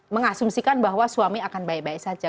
mengasumsikan bahwa suami akan baik baik saja